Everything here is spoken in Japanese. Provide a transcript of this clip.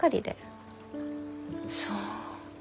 そう。